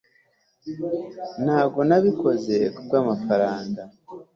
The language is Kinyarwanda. ntabwo nabikoze kubwamafaranga